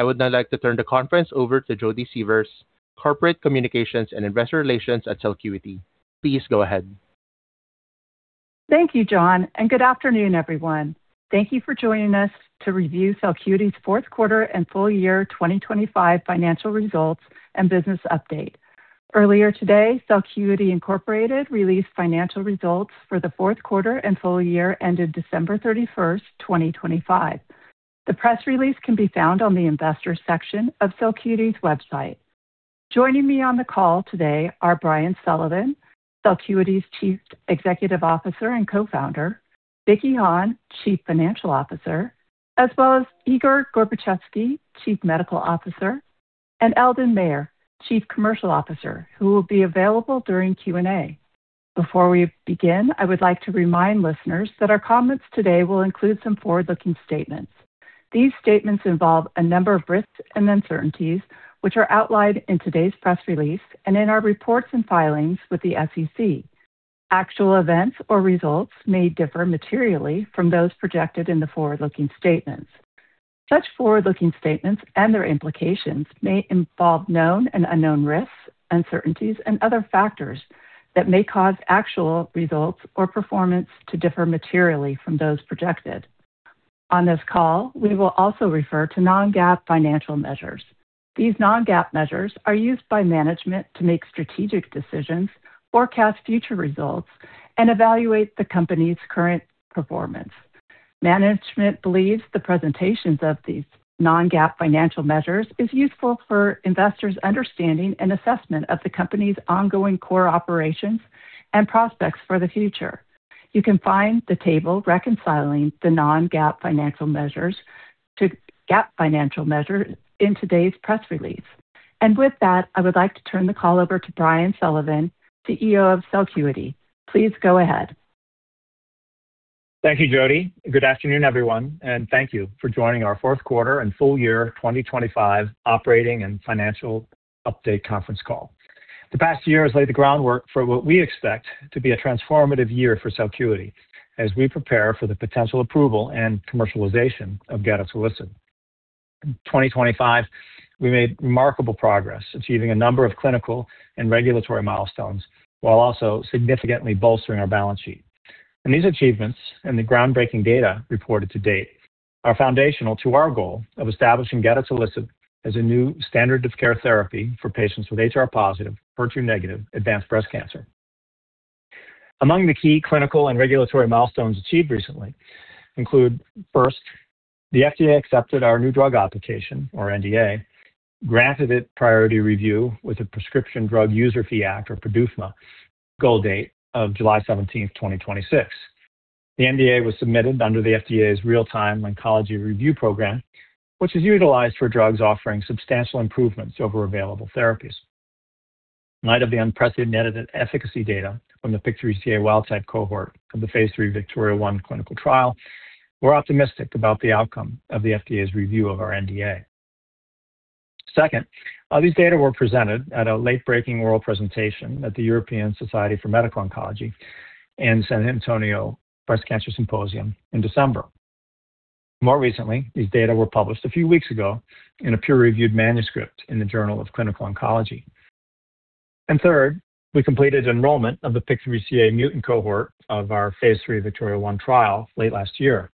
I would now like to turn the conference over to Jodi Sievers, Corporate Communications and Investor Relations at Celcuity. Please go ahead. Thank you, John, and good afternoon, everyone. Thank you for joining us to review Celcuity's fourth quarter and full year 2025 financial results and business update. Earlier today, Celcuity Inc. released financial results for the fourth quarter and full year ended December 31st, 2025. The press release can be found on the investor section of Celcuity's website. Joining me on the call today are Brian Sullivan, Celcuity's Chief Executive Officer and Co-founder, Vicky Hahne, Chief Financial Officer, as well as Igor Gorbatchevsky, Chief Medical Officer, and Eldon Mayer, Chief Commercial Officer, who will be available during Q&A. Before we begin, I would like to remind listeners that our comments today will include some forward-looking statements. These statements involve a number of risks and uncertainties, which are outlined in today's press release and in our reports and filings with the SEC. Actual events or results may differ materially from those projected in the forward-looking statements. Such forward-looking statements and their implications may involve known and unknown risks, uncertainties, and other factors that may cause actual results or performance to differ materially from those projected. On this call, we will also refer to non-GAAP financial measures. These non-GAAP measures are used by management to make strategic decisions, forecast future results, and evaluate the company's current performance. Management believes the presentations of these non-GAAP financial measures is useful for investors' understanding and assessment of the company's ongoing core operations and prospects for the future. You can find the table reconciling the non-GAAP financial measures to GAAP financial measures in today's press release. With that, I would like to turn the call over to Brian Sullivan, the CEO of Celcuity. Please go ahead. Thank you, Jodi. Good afternoon, everyone, and thank you for joining our fourth quarter and full year 2025 operating and financial update conference call. The past year has laid the groundwork for what we expect to be a transformative year for Celcuity as we prepare for the potential approval and commercialization of gedatolisib. In 2025, we made remarkable progress, achieving a number of clinical and regulatory milestones while also significantly bolstering our balance sheet. These achievements and the groundbreaking data reported to date are foundational to our goal of establishing gedatolisib as a new standard of care therapy for patients with HR-positive, HER2-negative advanced breast cancer. Among the key clinical and regulatory milestones achieved recently include, first, the FDA accepted our new drug application, or NDA, granted it priority review with a Prescription Drug User Fee Act, or PDUFA, goal date of July 17th, 2026. The NDA was submitted under the FDA's Real-Time Oncology Review Program, which is utilized for drugs offering substantial improvements over available therapies. In light of the unprecedented efficacy data from the PIK3CA wild-type cohort of the phase III VIKTORIA-1 clinical trial, we're optimistic about the outcome of the FDA's review of our NDA. Second, these data were presented at a late-breaking oral presentation at the European Society for Medical Oncology and San Antonio Breast Cancer Symposium in December. More recently, these data were published a few weeks ago in a peer-reviewed manuscript in the Journal of Clinical Oncology. Third, we completed enrollment of the PIK3CA mutant cohort of our phase III VIKTORIA-1 trial late last year.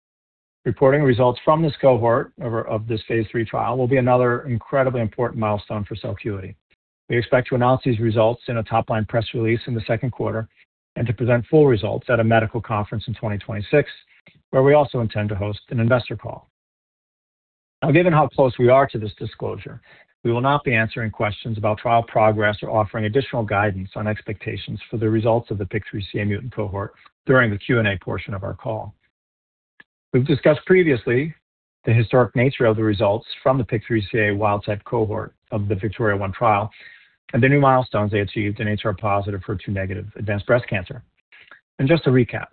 Reporting results from this cohort of this phase III trial will be another incredibly important milestone for Celcuity. We expect to announce these results in a top-line press release in the second quarter and to present full results at a medical conference in 2026, where we also intend to host an investor call. Now, given how close we are to this disclosure, we will not be answering questions about trial progress or offering additional guidance on expectations for the results of the PIK3CA mutant cohort during the Q&A portion of our call. We've discussed previously the historic nature of the results from the PIK3CA wild-type cohort of the VIKTORIA-1 trial and the new milestones they achieved in HR-positive, HER2-negative advanced breast cancer. Just to recap,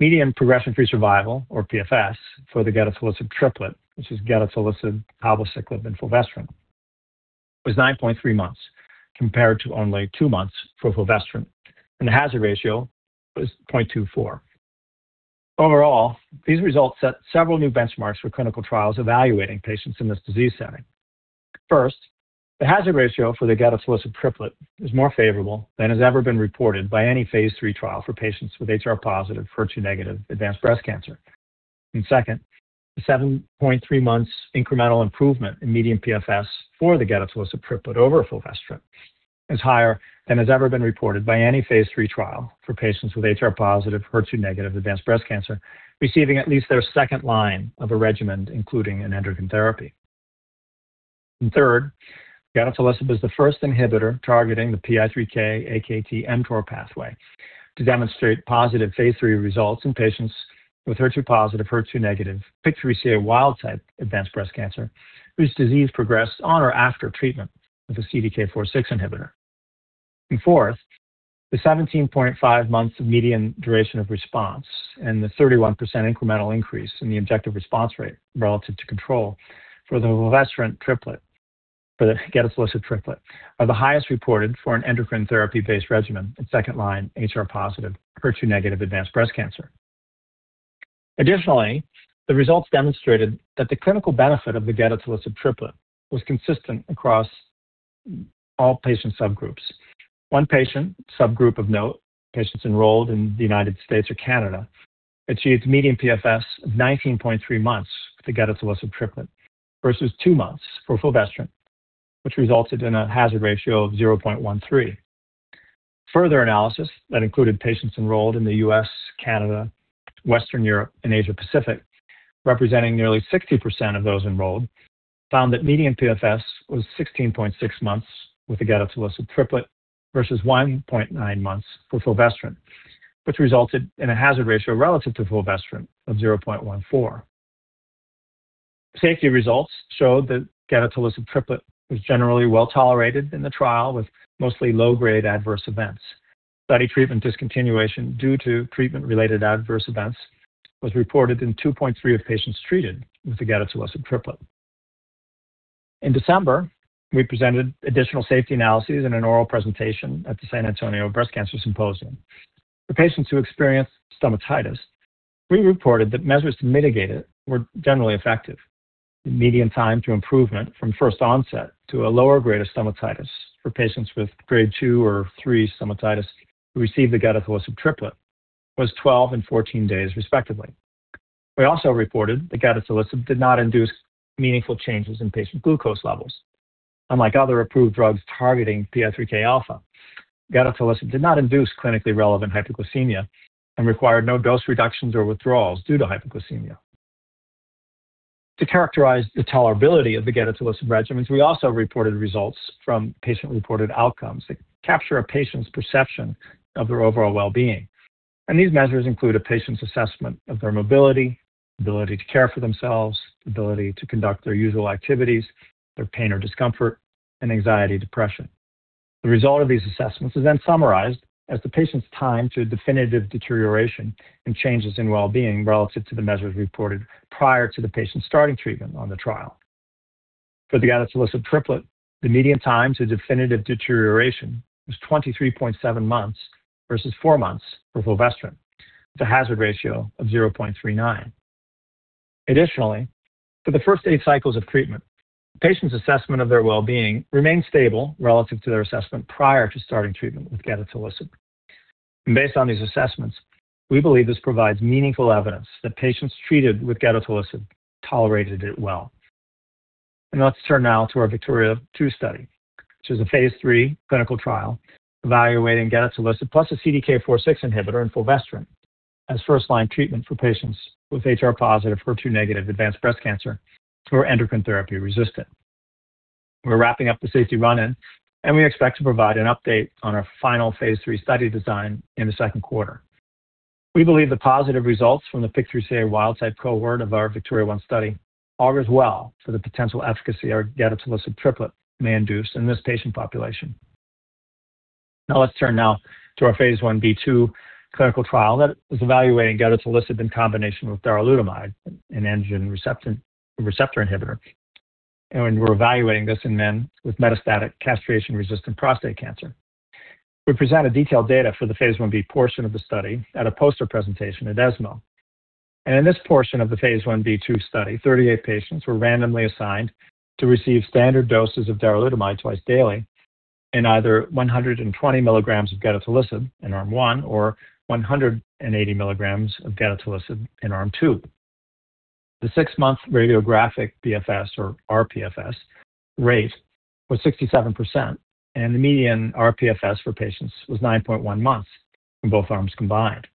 median progression-free survival or PFS for the gedatolisib triplet, which is gedatolisib, abemaciclib, and fulvestrant, was 9.3 months compared to only two months for fulvestrant, and the hazard ratio was 0.24. Overall, these results set several new benchmarks for clinical trials evaluating patients in this disease setting. First, the hazard ratio for the gedatolisib triplet is more favorable than has ever been reported by any phase III trial for patients with HR-positive, HER2-negative advanced breast cancer. Second, the 7.3 months incremental improvement in median PFS for the gedatolisib triplet over fulvestrant is higher than has ever been reported by any phase III trial for patients with HR-positive, HER2-negative advanced breast cancer receiving at least their second line of a regimen including an endocrine therapy. Third, gedatolisib is the first inhibitor targeting the PI3K/AKT/mTOR pathway to demonstrate positive phase III results in patients with HR-positive, HER2-negative PIK3CA wild-type advanced breast cancer whose disease progressed on or after treatment with a CDK4/6 inhibitor. Fourth, the 17.5 months median duration of response and the 31% incremental increase in the objective response rate relative to control for the gedatolisib triplet are the highest reported for an endocrine therapy-based regimen in second-line HR-positive, HER2-negative advanced breast cancer. Additionally, the results demonstrated that the clinical benefit of the gedatolisib triplet was consistent across all patient subgroups. One patient subgroup of note, patients enrolled in the United States or Canada, achieved median PFS of 19.3 months with the gedatolisib triplet versus two months for fulvestrant, which resulted in a hazard ratio of 0.13. Further analysis that included patients enrolled in the U.S., Canada, Western Europe, and Asia-Pacific, representing nearly 60% of those enrolled, found that median PFS was 16.6 months with the gedatolisib triplet versus 1.9 months for fulvestrant, which resulted in a hazard ratio relative to fulvestrant of 0.14. Safety results showed that gedatolisib triplet was generally well-tolerated in the trial with mostly low-grade adverse events. Study treatment discontinuation due to treatment-related adverse events was reported in 2.3% of patients treated with the gedatolisib triplet. In December, we presented additional safety analyses in an oral presentation at the San Antonio Breast Cancer Symposium. For patients who experienced stomatitis, we reported that measures to mitigate it were generally effective. The median time to improvement from first onset to a lower grade of stomatitis for patients with grade two or three stomatitis who received the gedatolisib triplet was 12 and 14 days respectively. We also reported that gedatolisib did not induce meaningful changes in patient glucose levels. Unlike other approved drugs targeting PI3K alpha, gedatolisib did not induce clinically relevant hypoglycemia and required no dose reductions or withdrawals due to hypoglycemia. To characterize the tolerability of the gedatolisib regimens, we also reported results from patient-reported outcomes that capture a patient's perception of their overall well-being. These measures include a patient's assessment of their mobility, ability to care for themselves, ability to conduct their usual activities, their pain or discomfort, and anxiety-depression. The result of these assessments is then summarized as the patient's time to definitive deterioration and changes in well-being relative to the measures reported prior to the patient starting treatment on the trial. For the gedatolisib triplet, the median time to definitive deterioration was 23.7 months versus four months for fulvestrant, with a hazard ratio of 0.39. Additionally, for the first eight cycles of treatment, patients' assessment of their well-being remained stable relative to their assessment prior to starting treatment with gedatolisib. Based on these assessments, we believe this provides meaningful evidence that patients treated with gedatolisib tolerated it well. Let's turn now to our VIKTORIA-2 study, which is a phase III clinical trial evaluating gedatolisib plus a CDK4/6 inhibitor in fulvestrant as first-line treatment for patients with HR-positive, HER2-negative advanced breast cancer who are endocrine therapy-resistant. We're wrapping up the safety run-in, and we expect to provide an update on our final phase III study design in the second quarter. We believe the positive results from the PIK3CA wild-type cohort of our VIKTORIA-1 study augurs well for the potential efficacy our gedatolisib triplet may induce in this patient population. Now let's turn now to our phase Ib/II clinical trial that is evaluating gedatolisib in combination with darolutamide, an androgen receptor inhibitor. We're evaluating this in men with metastatic castration-resistant prostate cancer. We presented detailed data for the phase Ib portion of the study at a poster presentation at ESMO. In this portion of the phase Ib/II study, 38 patients were randomly assigned to receive standard doses of darolutamide twice daily in either 120 milligrams of gedatolisib in arm 1 or 180 milligrams of gedatolisib in arm 2. The six-month radiographic PFS or RPFS rate was 67%, and the median RPFS for patients was 9.1 months in both arms combined.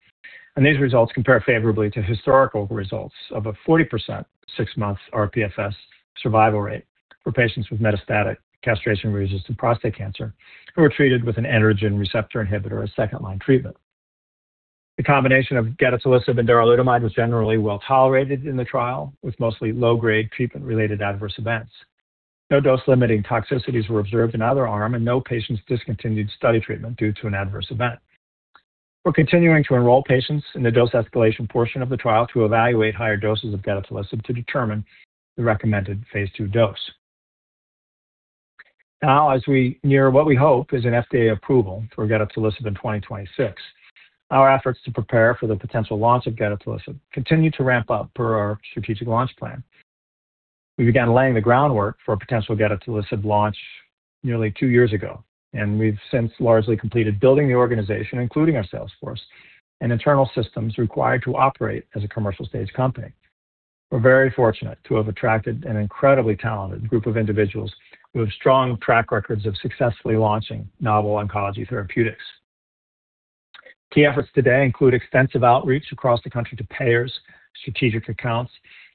These results compare favorably to historical results of a 40% six-month RPFS survival rate for patients with metastatic castration-resistant prostate cancer who were treated with an androgen receptor inhibitor as second-line treatment. The combination of gedatolisib and darolutamide was generally well-tolerated in the trial with mostly low-grade treatment-related adverse events. No dose-limiting toxicities were observed in either arm, and no patients discontinued study treatment due to an adverse event. We're continuing to enroll patients in the dose-escalation portion of the trial to evaluate higher doses of gedatolisib to determine the recommended phase II dose. Now, as we near what we hope is an FDA approval for gedatolisib in 2026, our efforts to prepare for the potential launch of gedatolisib continue to ramp up per our strategic launch plan. We began laying the groundwork for a potential gedatolisib launch nearly two years ago, and we've since largely completed building the organization, including our sales force and internal systems required to operate as a commercial-stage company. We're very fortunate to have attracted an incredibly talented group of individuals who have strong track records of successfully launching novel oncology therapeutics. Key efforts today include extensive outreach across the country to payers, strategic accounts,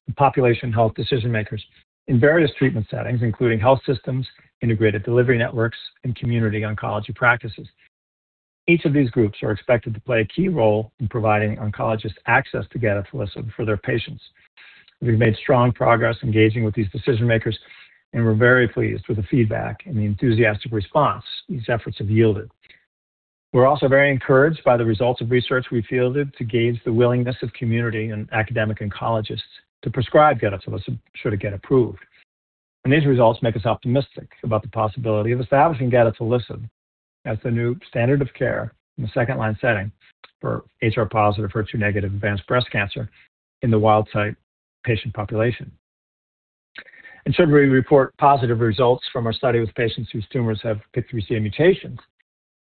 and population health decision-makers in various treatment settings, including health systems, integrated delivery networks, and community oncology practices. Each of these groups are expected to play a key role in providing oncologists access to gedatolisib for their patients. We've made strong progress engaging with these decision-makers, and we're very pleased with the feedback and the enthusiastic response these efforts have yielded. We're also very encouraged by the results of research we fielded to gauge the willingness of community and academic oncologists to prescribe gedatolisib should it get approved. These results make us optimistic about the possibility of establishing gedatolisib as the new standard of care in the second-line setting for HR-positive, HER2-negative advanced breast cancer in the wild-type patient population. Should we report positive results from our study with patients whose tumors have PIK3CA mutations,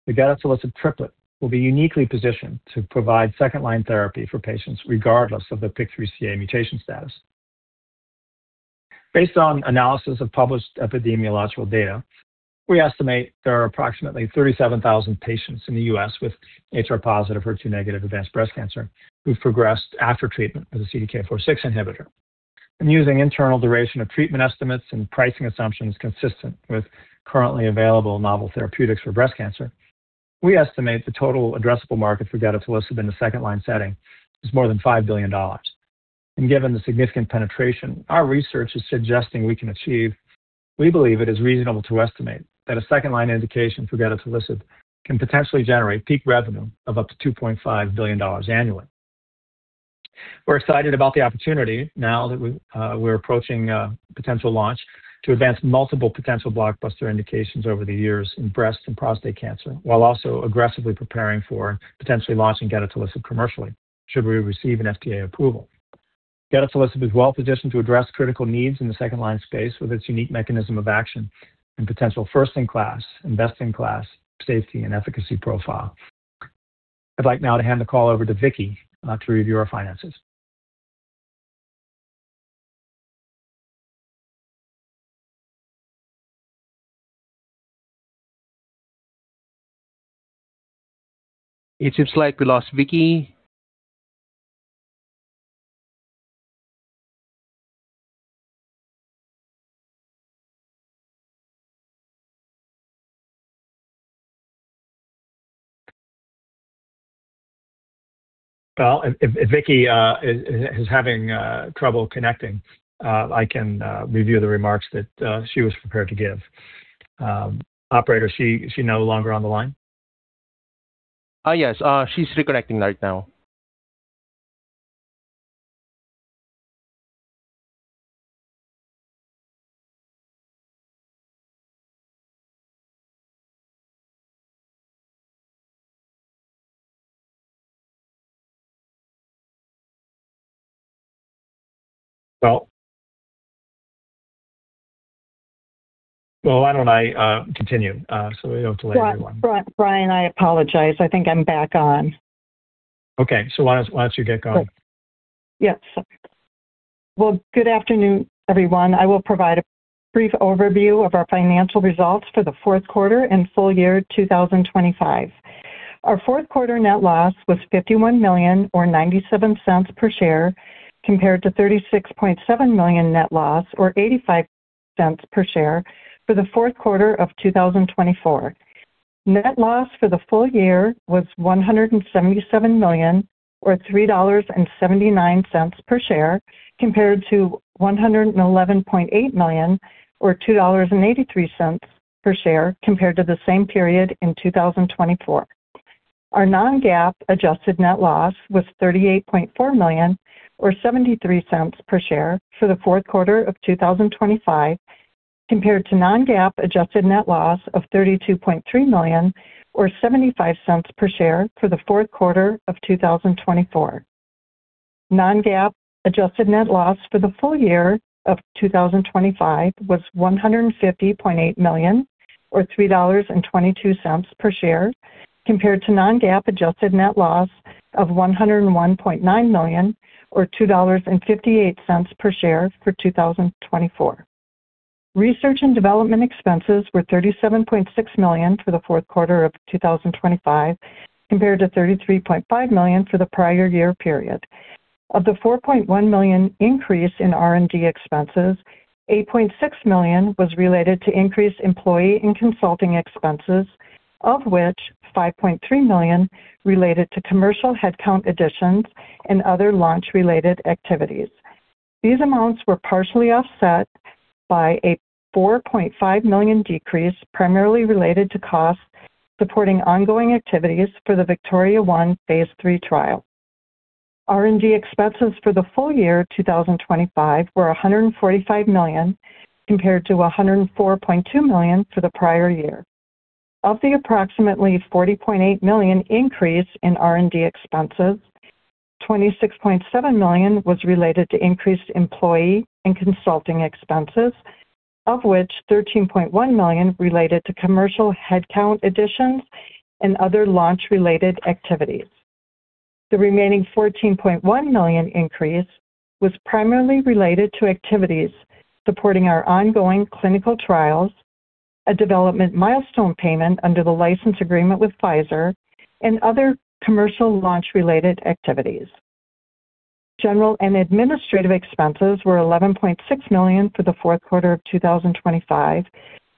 the gedatolisib triplet will be uniquely positioned to provide second-line therapy for patients regardless of their PIK3CA mutation status. Based on analysis of published epidemiological data, we estimate there are approximately 37,000 patients in the U.S. with HR-positive, HER2-negative advanced breast cancer who've progressed after treatment with a CDK4/6 inhibitor. Using internal duration of treatment estimates and pricing assumptions consistent with currently available novel therapeutics for breast cancer, we estimate the total addressable market for gedatolisib in the second-line setting is more than $5 billion. Given the significant penetration our research is suggesting we can achieve, we believe it is reasonable to estimate that a second-line indication for gedatolisib can potentially generate peak revenue of up to $2.5 billion annually. We're excited about the opportunity now that we're approaching a potential launch to advance multiple potential blockbuster indications over the years in breast and prostate cancer, while also aggressively preparing for potentially launching gedatolisib commercially, should we receive an FDA approval. Gedatolisib is well-positioned to address critical needs in the second line space with its unique mechanism of action and potential first-in-class and best-in-class safety and efficacy profile. I'd like now to hand the call over to Vicky to review our finances. It seems like we lost Vicky. Well, if Vicky is having trouble connecting, I can review the remarks that she was prepared to give. Operator, is she no longer on the line? Yes. She's reconnecting right now. Well, why don't I continue, so we don't delay everyone. Brian, I apologize. I think I'm back on. Okay. Why don't you get going? Yes. Well, good afternoon, everyone. I will provide a brief overview of our financial results for the fourth quarter and full year 2025. Our fourth quarter net loss was $51 million or $0.97 per share, compared to $36.7 million net loss or $0.85 per share for the fourth quarter of 2024. Net loss for the full year was $177 million or $3.79 per share, compared to $111.8 million or $2.83 per share compared to the same period in 2024. Our non-GAAP adjusted net loss was $38.4 million or $0.73 per share for the fourth quarter of 2025, compared to non-GAAP adjusted net loss of $32.3 million or $0.75 per share for the fourth quarter of 2024. Non-GAAP adjusted net loss for the full year of 2025 was $150.8 million or $3.22 per share, compared to non-GAAP adjusted net loss of $101.9 million or $2.58 per share for 2024. Research and development expenses were $37.6 million for the fourth quarter of 2025, compared to $33.5 million for the prior year period. Of the $4.1 million increase in R&D expenses, $8.6 million was related to increased employee and consulting expenses, of which $5.3 million related to commercial headcount additions and other launch-related activities. These amounts were partially offset by a $4.5 million decrease, primarily related to costs supporting ongoing activities for the VIKTORIA-1 phase III trial. R&D expenses for the full year 2025 were $145 million, compared to $104.2 million for the prior year. Of the approximately $40.8 million increase in R&D expenses, $26.7 million was related to increased employee and consulting expenses, of which $13.1 million related to commercial headcount additions and other launch-related activities. The remaining $14.1 million increase was primarily related to activities supporting our ongoing clinical trials, a development milestone payment under the license agreement with Pfizer, and other commercial launch-related activities. General and administrative expenses were $11.6 million for the fourth quarter of 2025,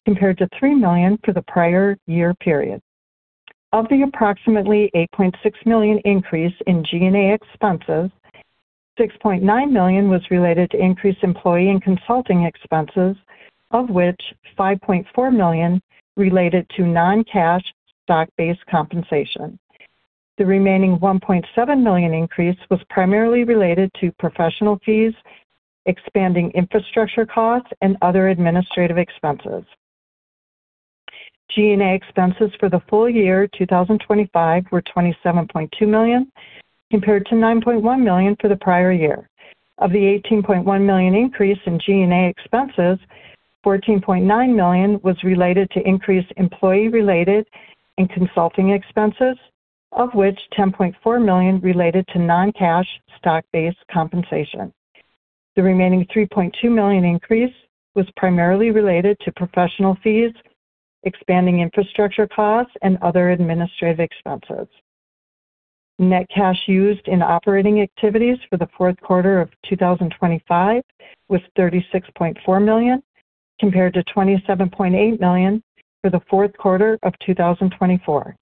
compared to $3 million for the prior year period. Of the approximately $8.6 million increase in G&A expenses, $6.9 million was related to increased employee and consulting expenses, of which $5.4 million related to non-cash stock-based compensation. The remaining $1.7 million increase was primarily related to professional fees, expanding infrastructure costs, and other administrative expenses. G&A expenses for the full year 2025 were $27.2 million, compared to $9.1 million for the prior year. Of the $18.1 million increase in G&A expenses, $14.9 million was related to increased employee-related and consulting expenses, of which $10.4 million related to non-cash stock-based compensation. The remaining $3.2 million increase was primarily related to professional fees, expanding infrastructure costs, and other administrative expenses. Net cash used in operating activities for the fourth quarter of 2025 was $36.4 million, compared to $27.8 million for the fourth quarter of 2024.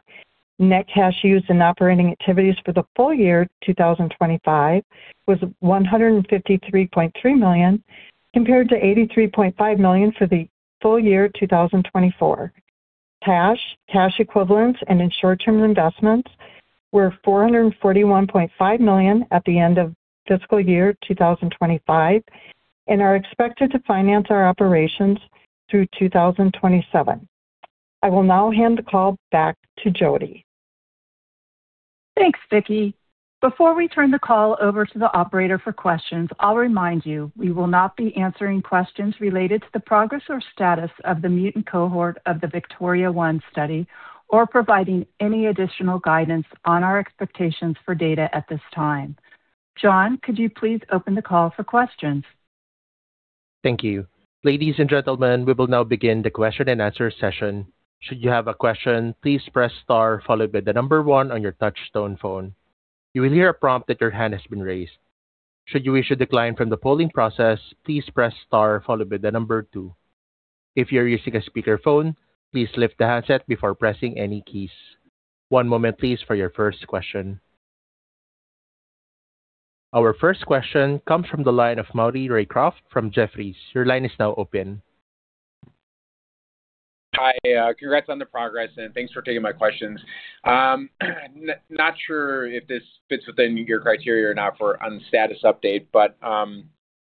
Net cash used in operating activities for the full year 2025 was $153.3 million, compared to $83.5 million for the full year 2024. Cash, cash equivalents, and short-term investments were $441.5 million at the end of fiscal year 2025 and are expected to finance our operations through 2027. I will now hand the call back to Jodi. Thanks, Vicky. Before we turn the call over to the operator for questions, I'll remind you, we will not be answering questions related to the progress or status of the mutant cohort of the VIKTORIA-1 study or providing any additional guidance on our expectations for data at this time. John, could you please open the call for questions? Thank you. Ladies and gentlemen, we will now begin the question-and-answer session. Should you have a question, please press star followed by one on your touch tone phone. You will hear a prompt that your hand has been raised. Should you wish to decline from the polling process, please press star followed by two. If you're using a speakerphone, please lift the handset before pressing any keys. One moment please for your first question. Our first question comes from the line of Maury Raycroft from Jefferies. Your line is now open. Hi, congrats on the progress, and thanks for taking my questions. Not sure if this fits within your criteria or not for on status update, but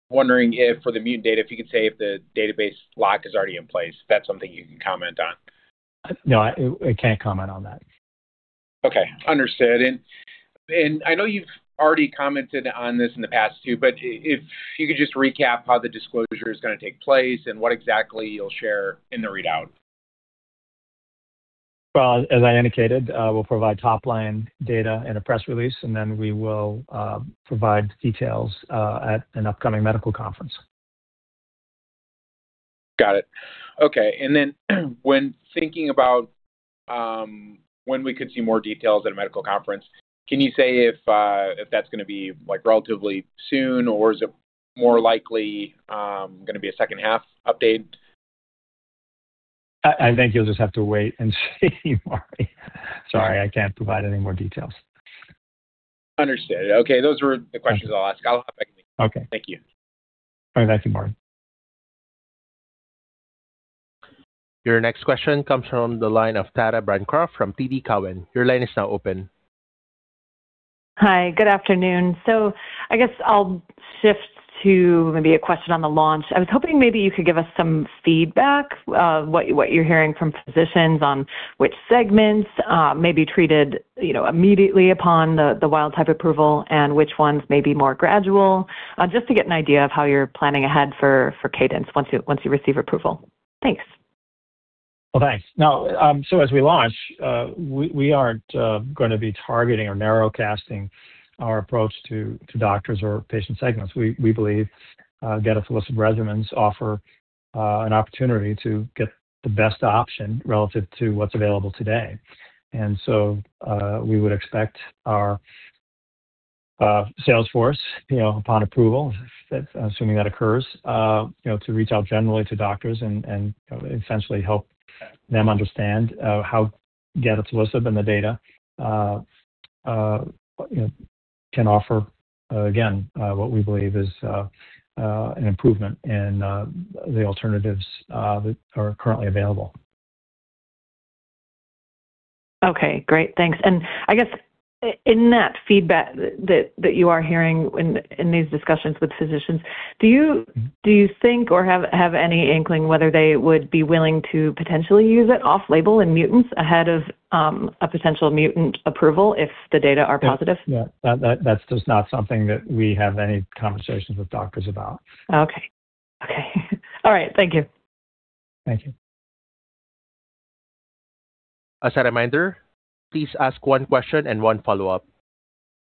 wondering if for the mutant data, if you could say if the database lock is already in place. If that's something you can comment on. No, I can't comment on that. Okay. Understood. I know you've already commented on this in the past too, but if you could just recap how the disclosure is gonna take place and what exactly you'll share in the readout? Well, as I indicated, we'll provide top-line data in a press release, and then we will provide details at an upcoming medical conference. Got it. Okay. When thinking about when we could see more details at a medical conference, can you say if that's gonna be, like, relatively soon, or is it more likely gonna be a second half update? I think you'll just have to wait and see, Maury. Sorry, I can't provide any more details. Understood. Okay. Those were the questions I'll ask. I'll hop back in queue. Okay. Thank you. All right. Thank you, Maury. Your next question comes from the line of Tara Bancroft from TD Cowen. Your line is now open. Hi. Good afternoon. I guess I'll shift to maybe a question on the launch. I was hoping maybe you could give us some feedback of what you're hearing from physicians on which segments may be treated, you know, immediately upon the wild type approval and which ones may be more gradual. Just to get an idea of how you're planning ahead for cadence once you receive approval. Thanks. Well, thanks. Now, as we launch, we aren't gonna be targeting or narrowcasting our approach to doctors or patient segments. We believe gedatolisib regimens offer an opportunity to get the best option relative to what's available today. We would expect our sales force, you know, upon approval, that assuming that occurs, you know, to reach out generally to doctors and essentially help them understand how gedatolisib and the data, you know, can offer, again, what we believe is an improvement in the alternatives that are currently available. Okay. Great. Thanks. I guess in that feedback that you are hearing in these discussions with physicians, do you think or have any inkling whether they would be willing to potentially use it off label in mutants ahead of a potential mutant approval if the data are positive? Yeah. Yeah. That, that's just not something that we have any conversations with doctors about. Okay. All right. Thank you. Thank you. As a reminder, please ask one question and one follow-up.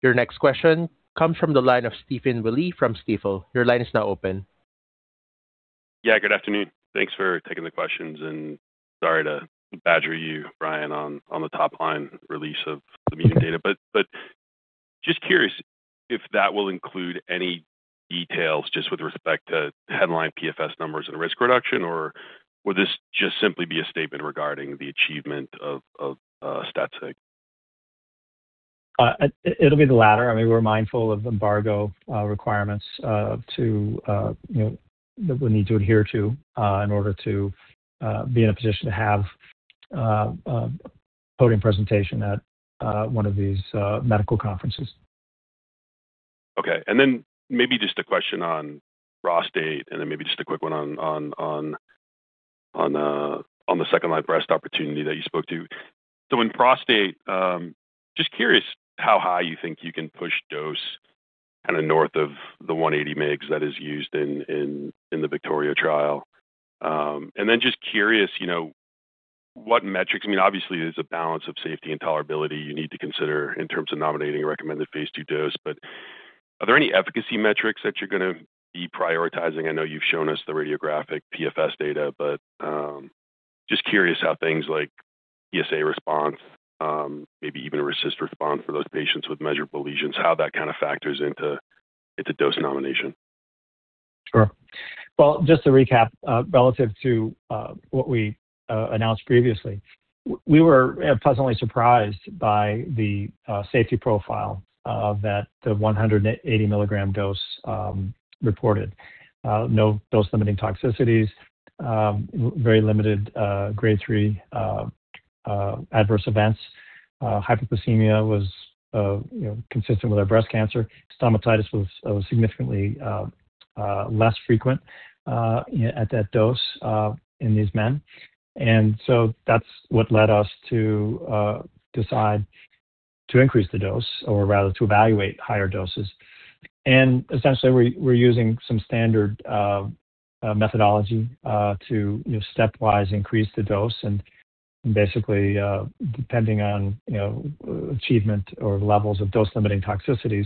Your next question comes from the line of Stephen Willey from Stifel. Your line is now open. Yeah, good afternoon. Thanks for taking the questions, and sorry to badger you, Brian, on the top-line release of the median data. Just curious if that will include any details just with respect to headline PFS numbers and risk reduction, or would this just simply be a statement regarding the achievement of stat sig? It'll be the latter. I mean, we're mindful of embargo requirements, you know, that we need to adhere to in order to be in a position to have a podium presentation at one of these medical conferences. Okay. Maybe just a question on prostate, and then maybe just a quick one on the second line breast opportunity that you spoke to. In prostate, just curious how high you think you can push dose kinda north of the 180 mg that is used in the VIKTORIA trial. And then just curious, you know, what metrics. I mean, obviously, there's a balance of safety and tolerability you need to consider in terms of nominating a recommended phase II dose. But are there any efficacy metrics that you're gonna be prioritizing? I know you've shown us the radiographic PFS data, but just curious how things like PSA response, maybe even a RECIST response for those patients with measurable lesions, how that kind of factors into dose nomination. Sure. Well, just to recap, relative to what we announced previously, we were pleasantly surprised by the safety profile of that, the 180 mg dose, reported. No dose-limiting toxicities, very limited grade 3 adverse events. Hyperglycemia was, you know, consistent with our breast cancer. Stomatitis was significantly less frequent at that dose in these men. That's what led us to decide to increase the dose or rather to evaluate higher doses. Essentially, we're using some standard methodology to, you know, stepwise increase the dose and basically, depending on, you know, achievement or levels of dose-limiting toxicities,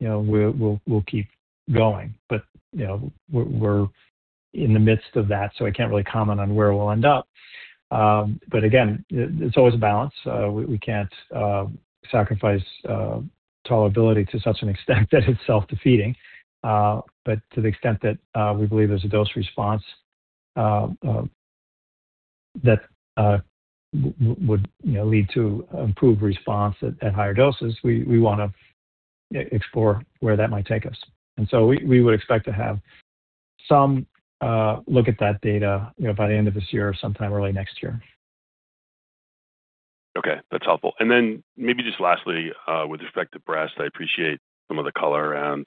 you know, we'll keep going. You know, we're in the midst of that, so I can't really comment on where we'll end up. Again, it's always a balance. We can't sacrifice tolerability to such an extent that it's self-defeating. To the extent that we believe there's a dose response that would, you know, lead to improved response at higher doses, we wanna explore where that might take us. We would expect to have some look at that data, you know, by the end of this year or sometime early next year. Okay, that's helpful. Maybe just lastly, with respect to breast, I appreciate some of the color and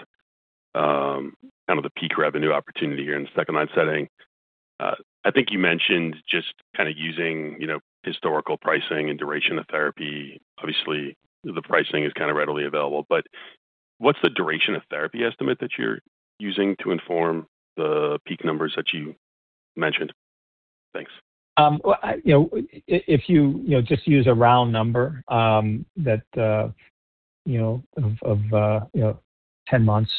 kind of the peak revenue opportunity here in the second-line setting. I think you mentioned just kinda using you know historical pricing and duration of therapy. Obviously, the pricing is kinda readily available. What's the duration of therapy estimate that you're using to inform the peak numbers that you mentioned? Thanks. Well, you know, if you know, just use a round number, that, you know, of 10 months,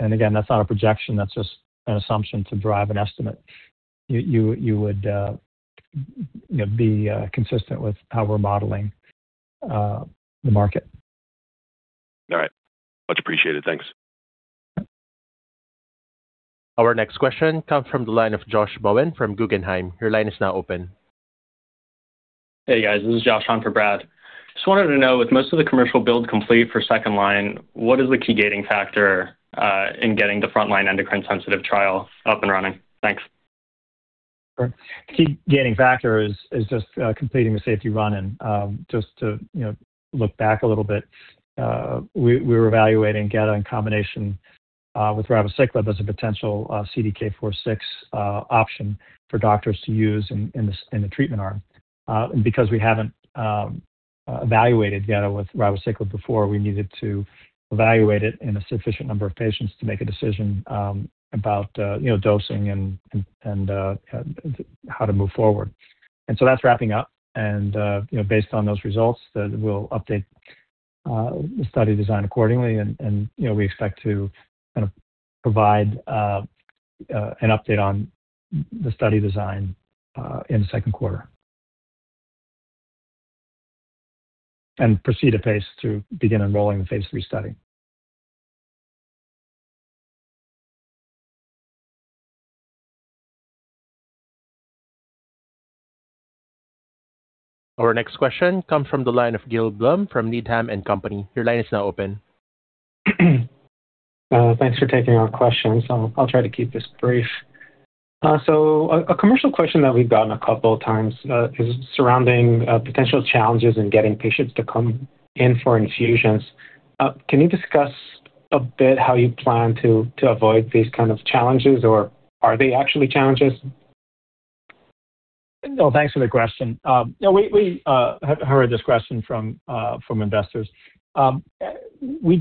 and again, that's not a projection, that's just an assumption to drive an estimate, you would, you know, be consistent with how we're modeling the market. All right. Much appreciated. Thanks. Our next question comes from the line of Josh Bowen from Guggenheim. Your line is now open. Hey, guys. This is Josh on for Brad. Just wanted to know, with most of the commercial build complete for second line, what is the key gating factor in getting the frontline endocrine-sensitive trial up and running? Thanks. Sure. Key gating factor is just completing the safety run-in. Just to, you know, look back a little bit, we're evaluating data in combination with ribociclib as a potential CDK4/6 option for doctors to use in the treatment arm. Because we haven't evaluated data with ribociclib before, we needed to evaluate it in a sufficient number of patients to make a decision about, you know, dosing and how to move forward. That's wrapping up, and you know, based on those results, we'll update the study design accordingly. You know, we expect to provide an update on the study design in the second quarter. Proceed apace to begin enrolling the phase III study. Our next question comes from the line of Gil Blum from Needham & Company. Your line is now open. Thanks for taking our questions. I'll try to keep this brief. A commercial question that we've gotten a couple of times is surrounding potential challenges in getting patients to come in for infusions. Can you discuss a bit how you plan to avoid these kind of challenges? Or are they actually challenges? No, thanks for the question. You know, we have heard this question from investors. We've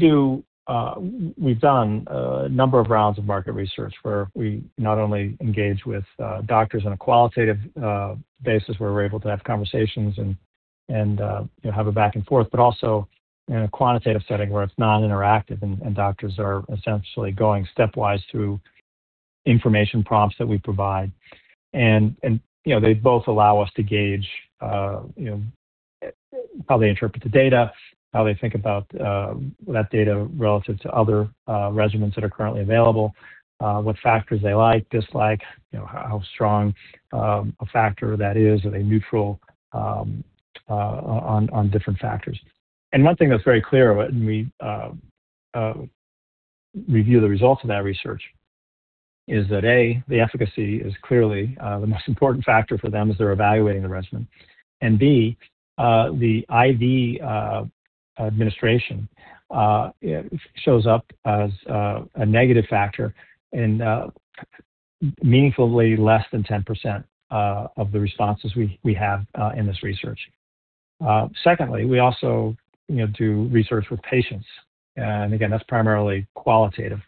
done a number of rounds of market research where we not only engage with doctors on a qualitative basis, where we're able to have conversations and you know, have a back and forth, but also in a quantitative setting where it's non-interactive and doctors are essentially going stepwise through information prompts that we provide. You know, they both allow us to gauge you know, how they interpret the data, how they think about that data relative to other regimens that are currently available, what factors they like, dislike, you know, how strong a factor that is. Are they neutral on different factors? One thing that's very clear when we review the results of that research is that A, the efficacy is clearly the most important factor for them as they're evaluating the regimen and B, the IV administration shows up as a negative factor and meaningfully less than 10% of the responses we have in this research. Secondly, we also, you know, do research with patients, and again, that's primarily qualitative.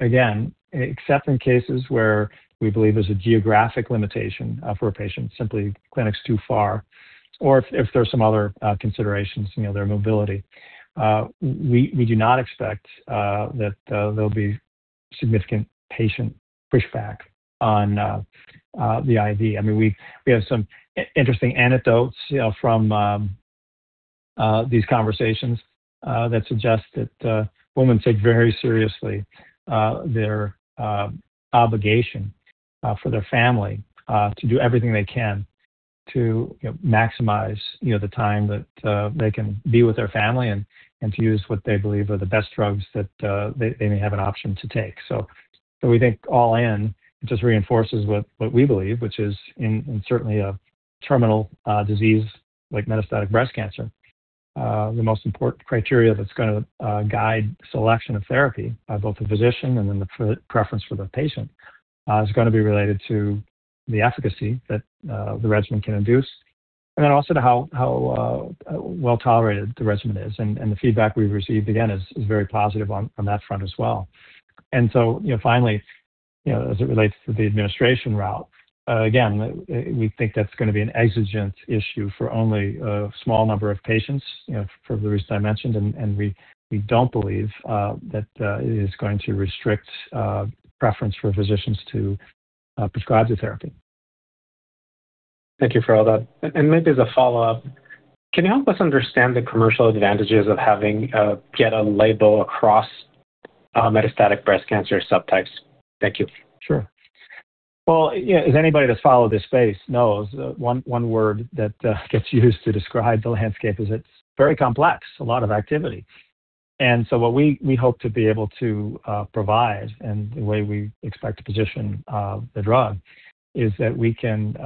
Again, except in cases where we believe there's a geographic limitation for a patient, simply clinic's too far or if there's some other considerations, you know, their mobility, we do not expect that there'll be significant patient pushback on the IV. I mean, we have some interesting anecdotes, you know, from these conversations that suggest that women take very seriously their obligation for their family to do everything they can to, you know, maximize the time that they can be with their family and to use what they believe are the best drugs that they may have an option to take. We think all in, it just reinforces what we believe, which is in certainly a terminal disease like metastatic breast cancer, the most important criteria that's gonna guide selection of therapy by both the physician and then the preference for the patient is gonna be related to the efficacy that the regimen can induce and then also to how well-tolerated the regimen is. The feedback we've received, again, is very positive on that front as well. You know, finally, you know, as it relates to the administration route, again, we think that's gonna be an exigent issue for only a small number of patients, you know, for the reasons I mentioned, and we don't believe that it is going to restrict preference for physicians to prescribe the therapy. Thank you for all that. Maybe as a follow-up, can you help us understand the commercial advantages of having a label across metastatic breast cancer subtypes? Thank you. Sure. Well, yeah, as anybody that's followed this space knows, one word that gets used to describe the landscape is it's very complex, a lot of activity. What we hope to be able to provide and the way we expect to position the drug is that we can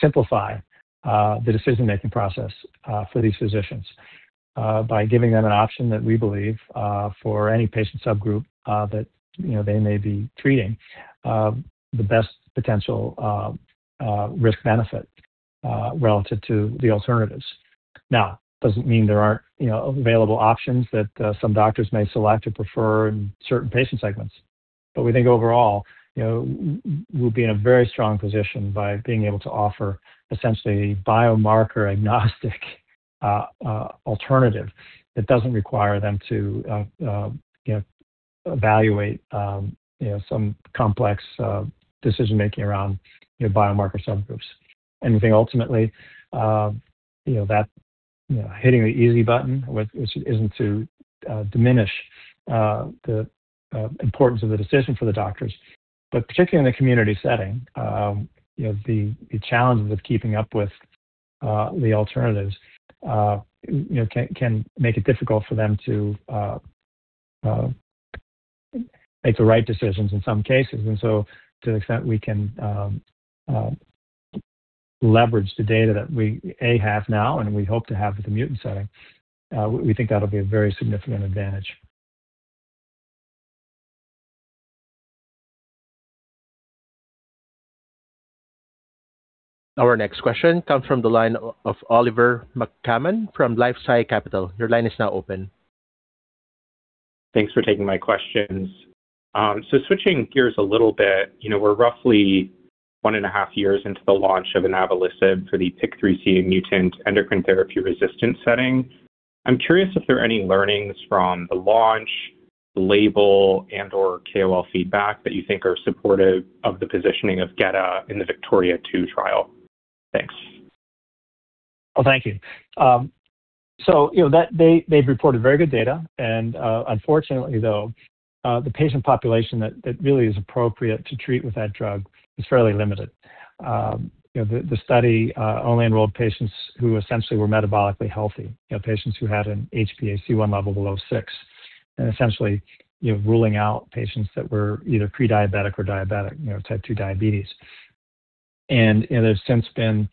simplify the decision-making process for these physicians by giving them an option that we believe for any patient subgroup that you know they may be treating the best potential risk-benefit relative to the alternatives. Now, doesn't mean there aren't you know available options that some doctors may select or prefer in certain patient segments. We think overall, you know, we'll be in a very strong position by being able to offer essentially a biomarker-agnostic alternative that doesn't require them to you know, evaluate you know, some complex decision-making around you know, biomarker subgroups. We think ultimately you know, that you know, hitting the easy button with which isn't to diminish the importance of the decision for the doctors. Particularly in the community setting, you know, the challenges of keeping up with the alternatives you know, can make it difficult for them to make the right decisions in some cases. To the extent we can leverage the data that we have now and we hope to have with the mutant setting, we think that'll be a very significant advantage. Our next question comes from the line of Oliver McCammon from LifeSci Capital. Your line is now open. Thanks for taking my questions. Switching gears a little bit, you know, we're roughly 1.5 years into the launch of inavolisib for the PIK3CA mutant endocrine therapy-resistant setting. I'm curious if there are any learnings from the launch, the label and/or KOL feedback that you think are supportive of the positioning of gedatolisib in the VIKTORIA-2 trial. Thanks. Well, thank you. So you know, they've reported very good data and unfortunately though, the patient population that really is appropriate to treat with that drug is fairly limited. You know, the study only enrolled patients who essentially were metabolically healthy, you know, patients who had an HbA1c level below six and essentially, you know, ruling out patients that were either pre-diabetic or diabetic, you know, type 2 diabetes. There's since been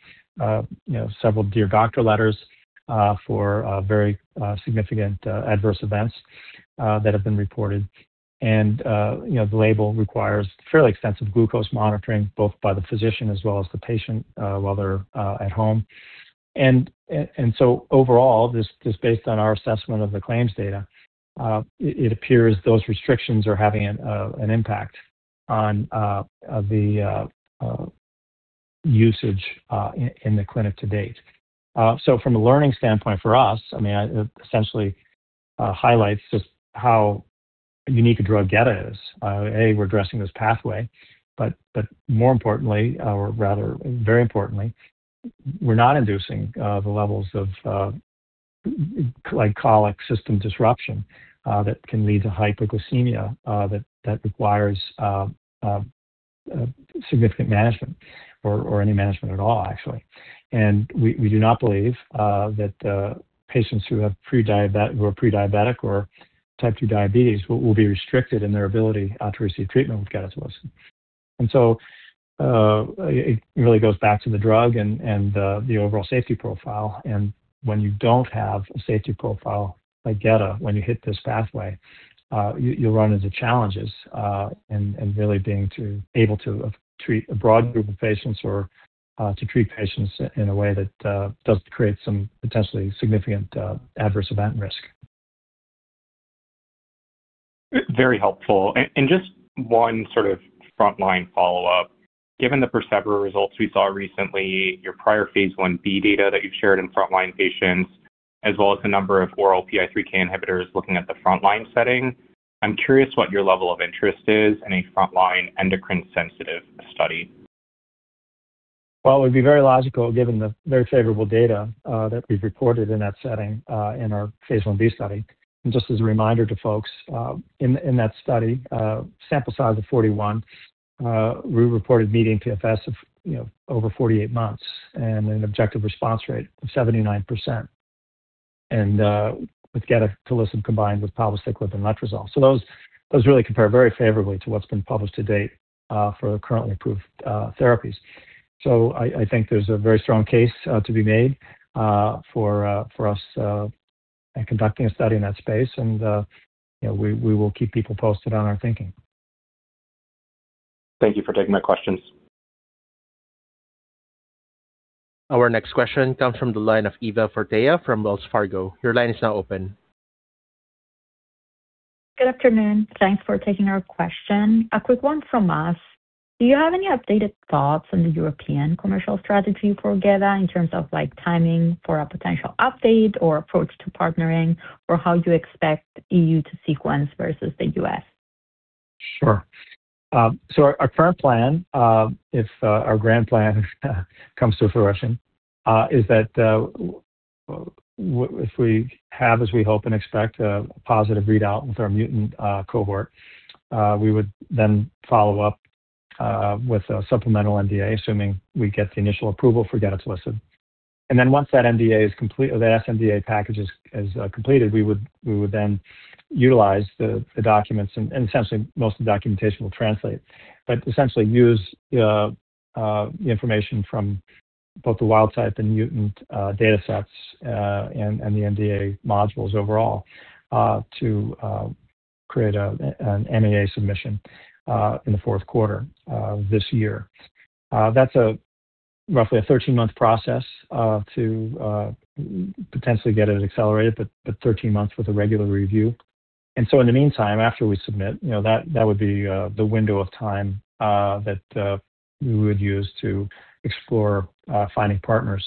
several Dear Doctor letters for very significant adverse events that have been reported. You know, the label requires fairly extensive glucose monitoring, both by the physician as well as the patient while they're at home. Overall, this is based on our assessment of the claims data. It appears those restrictions are having an impact on the usage in the clinic to date. From a learning standpoint for us, I mean, essentially, highlights just how unique a drug Geda is. We're addressing this pathway, but more importantly or rather very importantly, we're not inducing the levels of glycemic system disruption that can lead to hypoglycemia that requires significant management or any management at all, actually. We do not believe that patients who are pre-diabetic or type 2 diabetes will be restricted in their ability to receive treatment with gedatolisib. It really goes back to the drug and the overall safety profile. When you don't have a safety profile like gedatolisib, when you hit this pathway, you'll run into challenges, and really being able to treat a broad group of patients or to treat patients in a way that doesn't create some potentially significant adverse event risk. Very helpful. Just one sort of frontline follow-up. Given the PERSEVERE results we saw recently, your prior phase I/B data that you've shared in frontline patients, as well as the number of oral PI3K inhibitors looking at the frontline setting, I'm curious what your level of interest is in a frontline endocrine sensitive study. Well, it would be very logical given the very favorable data that we've reported in that setting in our phase I-B study. Just as a reminder to folks, in that study, sample size of 41, we reported median PFS of, you know, over 48 months and an objective response rate of 79%. With gedatolisib combined with palbociclib and letrozole. Those really compare very favorably to what's been published to date for currently approved therapies. I think there's a very strong case to be made for us in conducting a study in that space. You know, we will keep people posted on our thinking. Thank you for taking my questions. Our next question comes from the line of Eva Fortea from Wells Fargo. Your line is now open. Good afternoon. Thanks for taking our question. A quick one from us. Do you have any updated thoughts on the European commercial strategy for gedatolisib in terms of, like, timing for a potential update or approach to partnering or how you expect EU to sequence versus the US? Sure. So our current plan, if our grand plan comes to fruition, is that if we have as we hope and expect, a positive readout with our mutant cohort, we would then follow up with a supplemental NDA, assuming we get the initial approval for gedatolisib. Once that NDA is complete or that sNDA package is completed, we would then utilize the documents and essentially most of the documentation will translate, but essentially use the information from both the wild type and mutant datasets, and the NDA modules overall, to create an NDA submission in the fourth quarter this year. That's roughly a 13-month process to potentially get it accelerated, but 13 months with a regular review. In the meantime, after we submit, you know, that would be the window of time that we would use to explore finding partners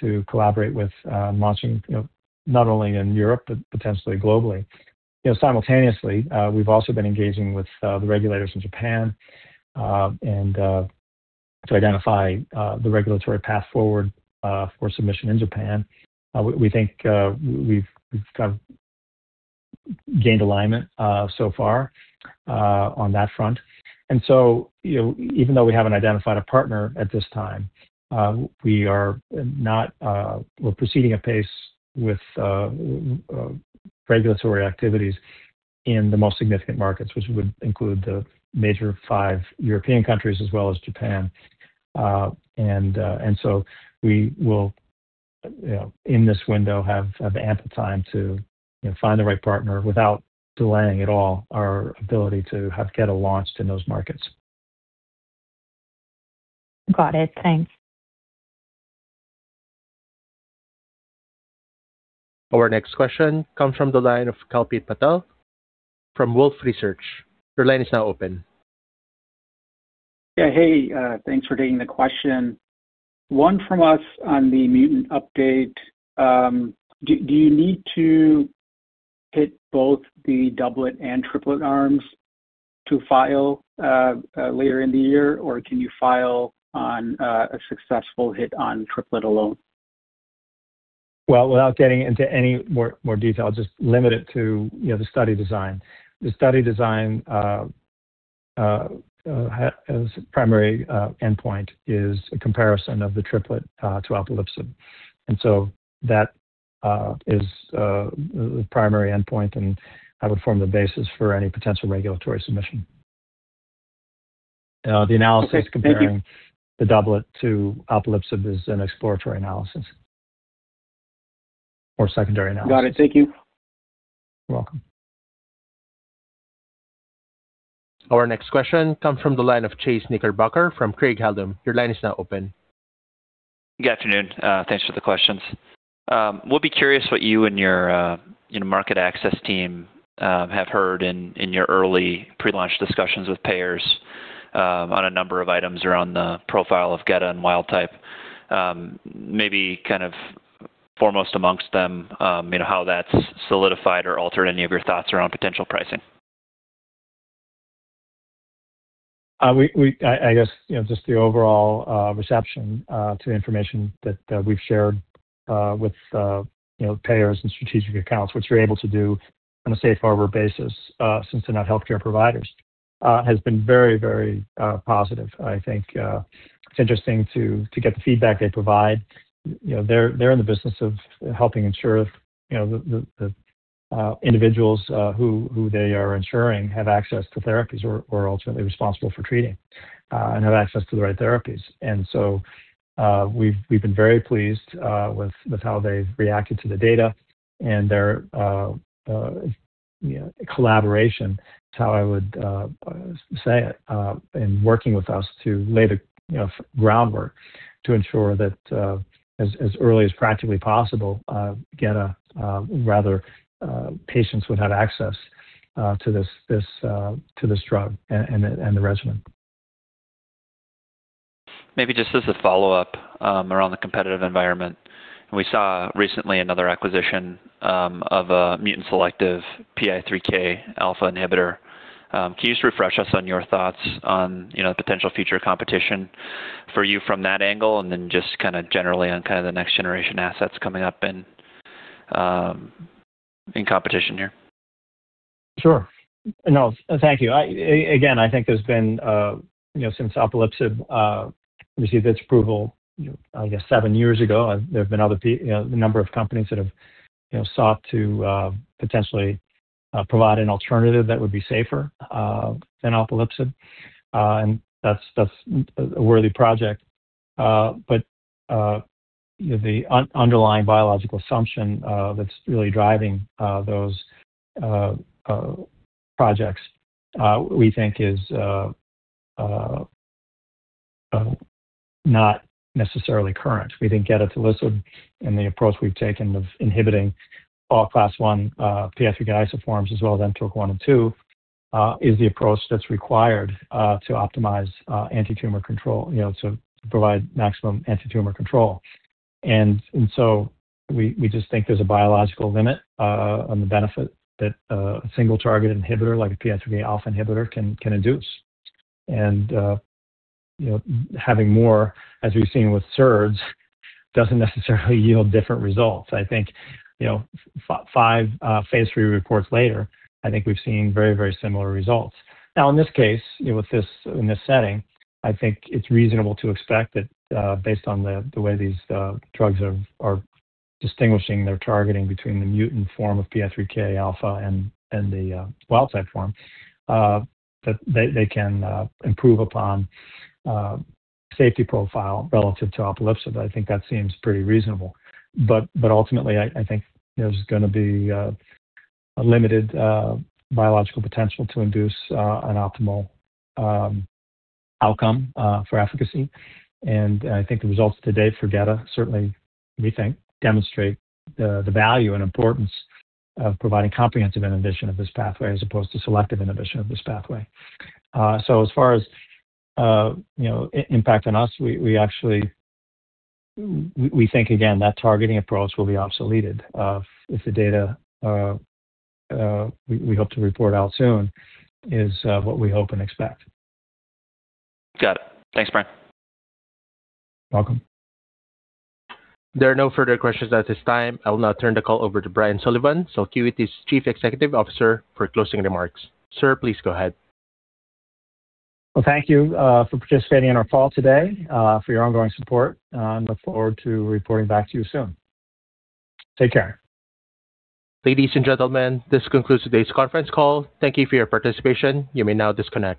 to collaborate with launching, you know, not only in Europe but potentially globally. You know, simultaneously, we've also been engaging with the regulators in Japan, and to identify the regulatory path forward for submission in Japan. We think we've kind of gained alignment so far on that front. You know, even though we haven't identified a partner at this time, we're proceeding at pace with regulatory activities in the most significant markets, which would include the major five European countries as well as Japan. We will, you know, in this window have ample time to, you know, find the right partner without delaying at all our ability to have geda launched in those markets. Got it. Thanks. Our next question comes from the line of Kalpit Patel from Wolfe Research. Your line is now open. Yeah. Hey, thanks for taking the question. One from us on the mutant update. Do you need to hit both the doublet and triplet arms to file later in the year, or can you file on a successful hit on triplet alone? Well, without getting into any more detail, just limit it to you know the study design. The study design has as a primary endpoint a comparison of the triplet to alpelisib. That is the primary endpoint and that would form the basis for any potential regulatory submission. The analysis comparing Okay. Thank you. The doublet to alpelisib is an exploratory analysis or secondary analysis. Got it. Thank you. You're welcome. Our next question comes from the line of Chase Knickerbocker from Craig-Hallum. Your line is now open. Good afternoon. Thanks for the questions. We'll be curious what you and your, you know, market access team, have heard in your early pre-launch discussions with payers, on a number of items around the profile of geda and wild-type. Maybe kind of foremost among them, you know, how that's solidified or altered any of your thoughts around potential pricing. I guess you know just the overall reception to the information that we've shared with you know payers and strategic accounts, which we're able to do on a safe harbor basis since they're not healthcare providers, has been very positive. I think it's interesting to get the feedback they provide. You know, they're in the business of helping ensure you know the individuals who they are insuring have access to therapies or ultimately responsible for treating and have access to the right therapies. We've been very pleased with how they've reacted to the data and their you know collaboration is how I would say it in working with us to lay the you know groundwork to ensure that as early as practically possible patients would have access to this drug and the regimen. Maybe just as a follow-up around the competitive environment. We saw recently another acquisition of a mutant-selective PI3K-alpha inhibitor. Can you just refresh us on your thoughts on, you know, potential future competition for you from that angle? Just kinda generally on kind of the next generation assets coming up in competition here. Sure. No. Thank you. Again, I think there's been, you know, since alpelisib received its approval, you know, I guess seven years ago, there have been other, you know, the number of companies that have, you know, sought to potentially provide an alternative that would be safer than alpelisib. That's a worthy project. You know, the underlying biological assumption that's really driving those projects, we think is not necessarily current. We think gedatolisib and the approach we've taken of inhibiting all class I PI3K isoforms as well as mTOR 1 and 2 is the approach that's required to optimize antitumor control, you know, to provide maximum antitumor control. We just think there's a biological limit on the benefit that a single-target inhibitor like a PI3K-alpha inhibitor can induce. You know, having more, as we've seen with SERDs, doesn't necessarily yield different results. I think, you know, five phase III reports later, I think we've seen very similar results. Now, in this case, you know, with this, in this setting, I think it's reasonable to expect that, based on the way these drugs are distinguishing their targeting between the mutant form of PI3K-alpha and the wild type form, that they can improve upon safety profile relative to alpelisib. I think that seems pretty reasonable. Ultimately, I think there's gonna be a limited biological potential to induce an optimal outcome for efficacy. I think the results today for gedatolisib certainly we think demonstrate the value and importance of providing comprehensive inhibition of this pathway as opposed to selective inhibition of this pathway. As far as you know, impact on us, we actually think again that targeting approach will be obsoleted if the data we hope to report out soon is what we hope and expect. Got it. Thanks, Brian. You're welcome. There are no further questions at this time. I'll now turn the call over to Brian Sullivan, Celcuity's Chief Executive Officer, for closing remarks. Sir, please go ahead. Well, thank you for participating in our call today for your ongoing support. Look forward to reporting back to you soon. Take care. Ladies and gentlemen, this concludes today's conference call. Thank you for your participation. You may now disconnect.